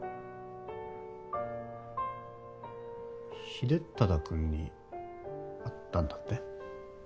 秀忠くんに会ったんだって？